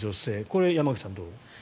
これは山口さん、どう？